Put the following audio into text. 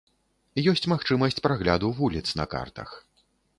Ёсць магчымасць прагляду вуліц на картах.